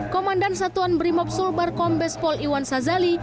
komandan satuan brimob sulbar kombes pol iwan sazali